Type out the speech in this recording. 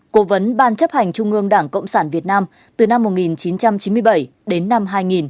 cố vấn ban chấp hành trung ương đảng cộng sản việt nam từ năm một nghìn chín trăm chín mươi bảy đến năm hai nghìn